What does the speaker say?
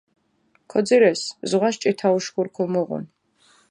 ქოძირეს, ზღვას ჭითა უშქური ქჷმუღუნი.